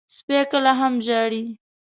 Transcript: سپي کله هم ژاړي.